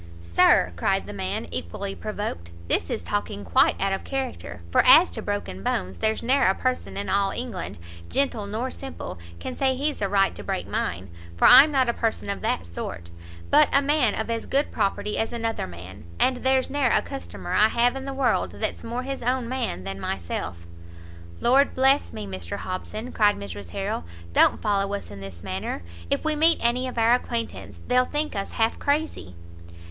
"Sir," cried the man, equally provoked, "this is talking quite out of character, for as to broken bones, there's ne'er a person in all England, gentle nor simple, can say he's a right to break mine, for I'm not a person of that sort, but a man of as good property as another man; and there's ne'er a customer I have in the world that's more his own man than myself." "Lord bless me, Mr Hobson," cried Mrs Harrel, "don't follow us in this manner! If we meet any of our acquaintance they'll think us half crazy."